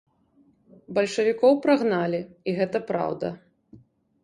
Бальшавікоў прагналі, і гэта праўда.